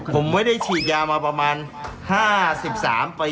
ผมไม่ได้ฉีดยามาประมาณค้าสิบสามปี